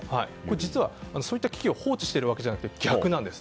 実はそういった危機を放置しているわけではなく逆なんです。